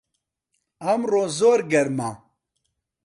ئەمڕۆ زۆر گەرمە